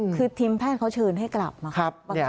คือทีมแพทย์เขาเชิญให้กลับมาครับ